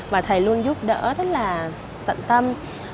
và thầy luôn giúp đỡ rất là tận tâm